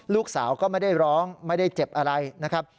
ลูกสาวก็ไม่ได้ร้องไม่ได้เจ็บอะไรนะครับ